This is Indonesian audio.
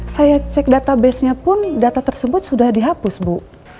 saya cek database nya pun data tersebut sudah dihapus bu